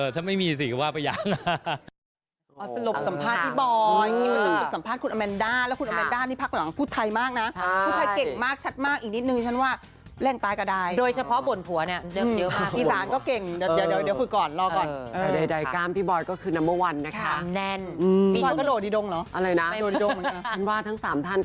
ถ้าไม่มีสิก็ว่าไปยัง